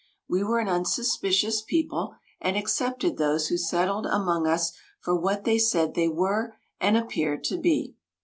We were an unsuspicious people, and accepted those who settled among us for what they said they were and appeared to be.